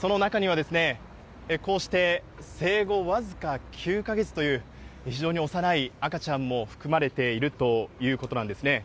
その中にはこうして生後僅か９か月という、非常に幼い赤ちゃんも含まれているということなんですね。